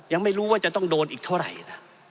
ยังไม่รู้ว่าจะต้องโดนอีกเท่าไหร่นะ